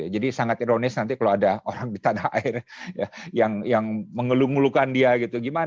jadi sangat ironis nanti kalau ada orang di tanah air yang mengelung elungkan dia